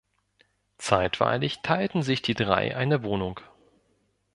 Zeitweilig teilten sich die Drei eine Wohnung.